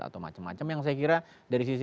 atau macem macem yang saya kira dari sisi